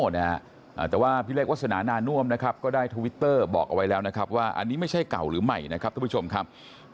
สวัสดีครับ